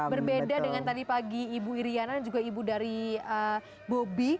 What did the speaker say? berbeda dengan tadi pagi ibu iryana dan juga ibu dari bobi